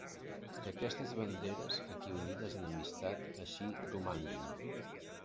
Que aquestes banderes aquí unides en amistat, així romanguin.